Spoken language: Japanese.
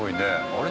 あれ？